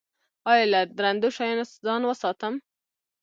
ایا له درندو شیانو ځان وساتم؟